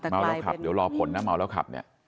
เมาแล้วขับเดี๋ยวรอผลนะเมาแล้วขับเนี่ย